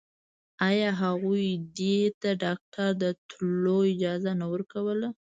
آيا هغوی دې ته ډاکتر ته د تلو اجازه نه ورکوله.